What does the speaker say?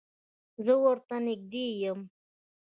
زه اور ته نږدې یم